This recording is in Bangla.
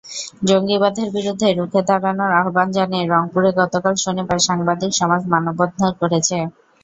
জঙ্গিবাদের বিরুদ্ধে রুখে দাঁড়ানোর আহ্বান জানিয়ে রংপুরে গতকাল শনিবার সাংবাদিক সমাজ মানববন্ধন করেছে।